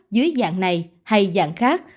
dưới dạng này hay dạng khác